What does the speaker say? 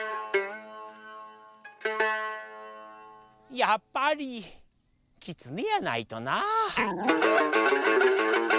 やっぱりきつねやないとな。